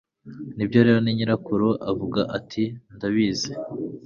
Nibyo rero ni nyirakuru avuga ati Ndabizi